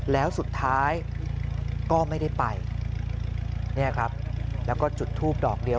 แล้วสุดท้ายก็ไม่ได้ไปเนี่ยครับแล้วก็จุดทูบดอกเดียว